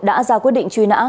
đã ra quyết định truy nã